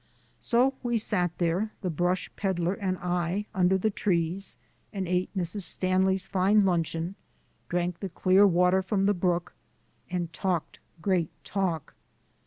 So we sat there, the brush peddler and I, under the trees, and ate Mrs. Stanley's fine luncheon, drank the clear water from the brook, and talked great talk.